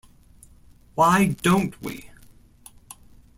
Why Don't We?